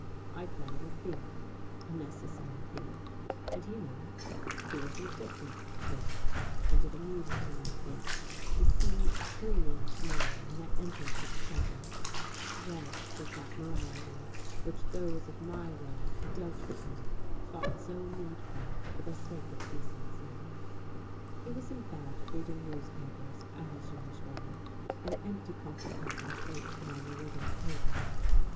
I thought him a thief a necessary thief and he knew it: he was indifferent to it; and it amused him, I think, to see clinging to me, when I entered his presence, shreds of that morality which those of my world who dealt with him thought so needful for the sake of decency. He was in bed, reading newspapers, as usual. An empty coffee cup and a plate were on the littered table.